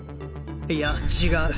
いや！違う！